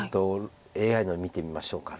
ＡＩの見てみましょうか。